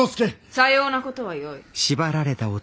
さようなことはよい。